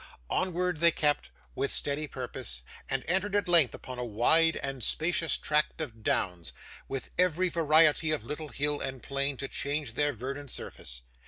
Onward they kept, with steady purpose, and entered at length upon a wide and spacious tract of downs, with every variety of little hill and plain to change their verdant surface.